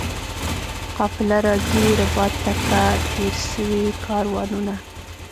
قافله راځي ربات ته که تېر سوي کاروانونه؟